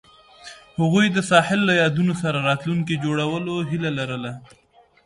هغوی د ساحل له یادونو سره راتلونکی جوړولو هیله لرله.